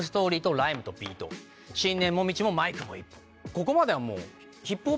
ここまではもう。